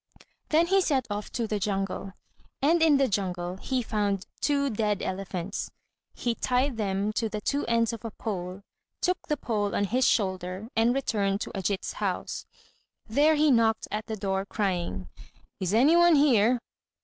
Then he set off to the jungle, and in the jungle he found two dead elephants. He tied them to the two ends of a pole, took the pole on his shoulder, and returned to Ajít's house. There he knocked at the door, crying, "Is any one here?"